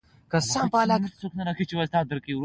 🕊 کفتره